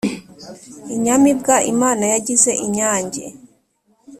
inyamibwa imana yagize inyange